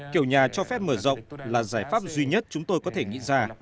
kiểu nhà cho phép mở rộng là giải pháp duy nhất chúng tôi có thể nghĩ ra